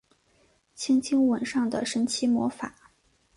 轻轻吻上的神奇魔法